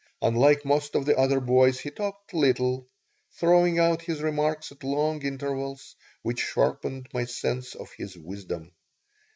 Unlike most of the other boys, he talked little, throwing out his remarks at long intervals, which sharpened my sense of his wisdom.